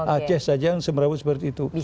aceh saja semerawut seperti itu